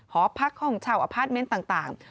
หอพักห้องเช่าอพาร์ทเมนต์ต่าง